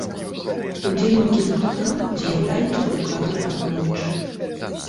Удзельнікі гурта з'яўляюцца ў кадры аднойчы.